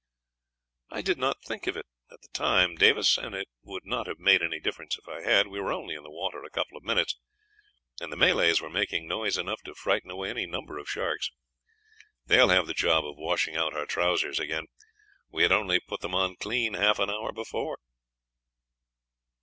"I did not think of it at the time, Davis, and it would not have made any difference if I had; we were only in the water a couple of minutes, and the Malays were making noise enough to frighten away any number of sharks. You will have the job of washing out our trousers again we had only put them on clean half an hour before."